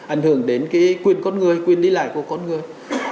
ảnh hưởng đến cái quyền con người quyền lý loại của con người